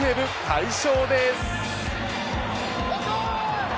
快勝です。